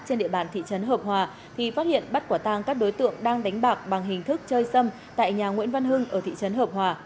trên địa bàn thị trấn hợp hòa thì phát hiện bắt quả tang các đối tượng đang đánh bạc bằng hình thức chơi sâm tại nhà nguyễn văn hưng ở thị trấn hợp hòa